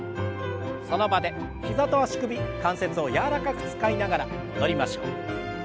その場で膝と足首関節を柔らかく使いながら戻りましょう。